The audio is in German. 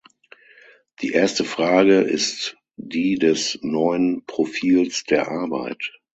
Die erste Frage ist die des neuen Profils der Arbeit.